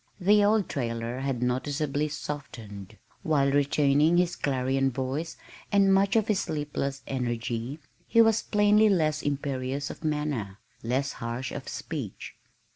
The old trailer had noticeably softened. While retaining his clarion voice and much of his sleepless energy, he was plainly less imperious of manner, less harsh of speech.